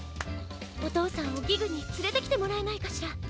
おとうさんをギグにつれてきてもらえないかしら？